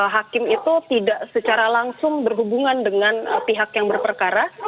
hakim itu tidak secara langsung berhubungan dengan pihak yang berperkara